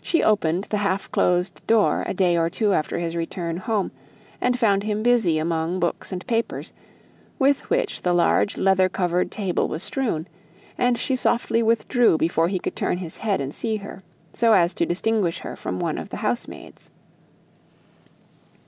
She opened the half closed door a day or two after his return home, and found him busy among books and papers, with which the large leather covered table was strewn; and she softly withdrew before he could turn his head and see her, so as to distinguish her from one of the housemaids.